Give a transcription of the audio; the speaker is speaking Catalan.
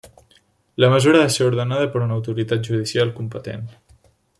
La mesura ha de ser ordenada per una autoritat judicial competent.